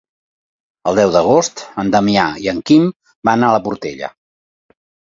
El deu d'agost en Damià i en Quim van a la Portella.